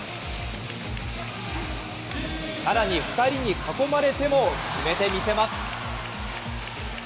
更に２人に囲まれても決めてみせます。